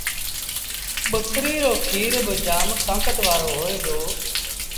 ٻڪريٚ رو کير با جآم تآݩڪت وآرو هوئي دو۔